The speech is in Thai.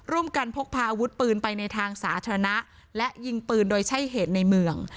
พกพาอาวุธปืนไปในทางสาธารณะและยิงปืนโดยใช้เหตุในเมือง